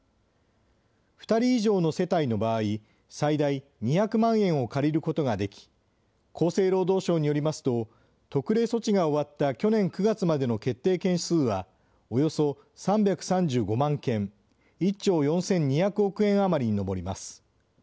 ２人以上の世帯の場合、最大２００万円を借りることができ、厚生労働省によりますと、特例措置が終わった去年９月までの決定件数はおよそ３３５万件、１兆４２００億円余りに上ります。